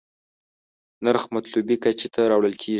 نرخ مطلوبې کچې ته راوړل کېږي.